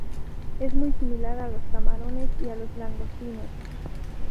Es muy similar a los camarones y a los langostinos.